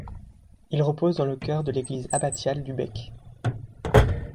Il repose dans le chœur de l'église abbatiale du Bec.